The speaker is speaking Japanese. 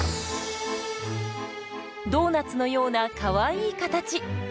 ドーナツのようなかわいい形。